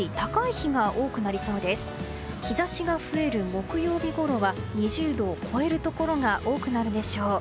日差しが増える木曜日ごろは２０度を超えるところが多くなるでしょう。